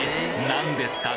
何ですか？